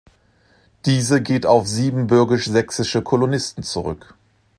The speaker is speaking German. Diese geht auf siebenbürgisch-sächsische Kolonisten zurück.